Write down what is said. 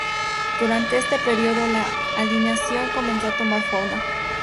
Durante este periodo la alineación comenzó a tomar forma.